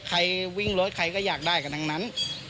ใครวิ่งรถใครก็อยากได้กันทั้งนั้น